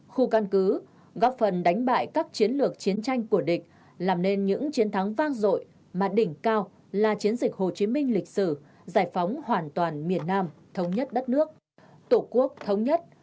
khu căn cứ góp phần đánh bại các chiến lược chiến tranh của địch làm nên những chiến thắng vang dội mà đỉnh cao là chiến dịch hồ chí minh lịch sử giải phóng hoàn toàn miền nam thống nhất đất nước tổ quốc thống nhất